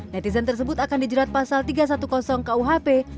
netizen tersebut akan dijerat pasal tiga ratus sepuluh kuhp